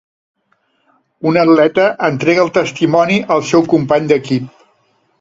Un atleta entrega el testimoni al seu company d'equip.